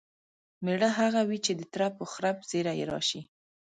مېړه همغه وي چې د ترپ و خرپ زیري یې راشي.